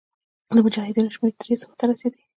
د مجاهدینو شمېر دریو سوو ته رسېدی.